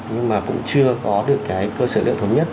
nhưng mà cũng chưa có được cái cơ sở liệu thống nhất